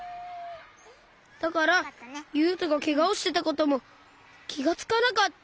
だからゆうとがけがをしてたこともきがつかなかった。